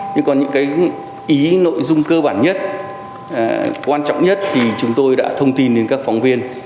nhưng còn những cái ý nội dung cơ bản nhất quan trọng nhất thì chúng tôi đã thông tin đến các phóng viên